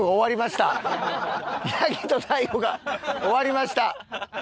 『ヤギと大悟』が終わりました！